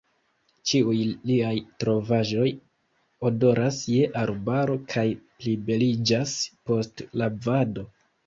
Ĉiuj liaj trovaĵoj odoras je arbaro kaj plibeliĝas post lavado.